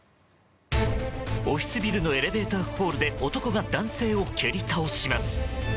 オフィスビルのエレベーターホールで男が男性を蹴り倒します。